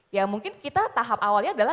ya mungkin kita tahap awalnya adalah